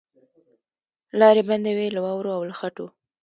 لاري بندي وې له واورو او له خټو